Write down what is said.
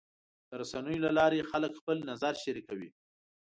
د رسنیو له لارې خلک خپل نظر شریکوي.